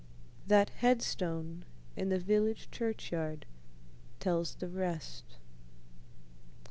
That headstone in the village churchyard tells the rest.